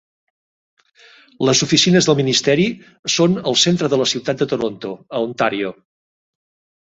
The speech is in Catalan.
Les oficines del ministeri són al centre de la ciutat de Toronto, a Ontario.